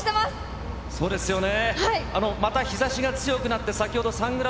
そうですよね。